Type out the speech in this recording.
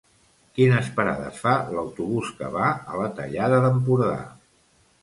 Quines parades fa l'autobús que va a la Tallada d'Empordà?